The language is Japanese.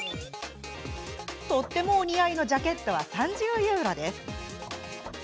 とってもお似合いのジャケットは３０ユーロです。